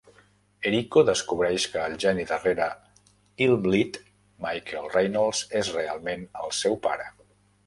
Eriko descobreix que el geni darrere Illbleed, Michael Reynolds, és realment el seu pare.